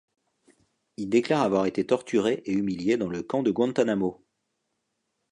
Il déclare avoir été torturé et humilié dans le camp de Guantanamo.